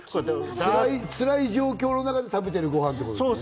辛い状況の中で食べているご飯ということですね。